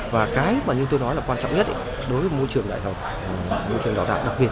và cái mà như tôi nói là quan trọng nhất đối với môi trường đại học môi trường đào tạo đặc biệt